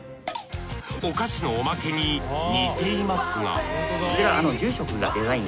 お菓子のおまけに似ていますが？